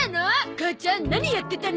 母ちゃん何やってたの？